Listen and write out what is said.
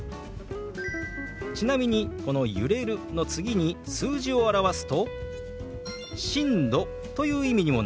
ちなみにこの「揺れる」の次に数字を表すと「震度」という意味にもなりますよ。